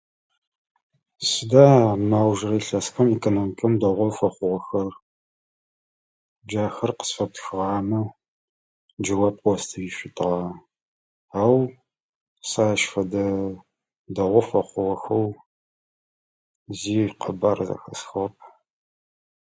Сыда мы аужрэ илъэсхэм экономикэм дэгъоу фэхъугъэхэр? Джахэр къысфэптхыгъамэ джэуап къыостыжьышъутыгъэ. Ау сэ ащ фэдэ дэгъоу фэхъугъэхэу зи къэбар зэхэсхыгъэп.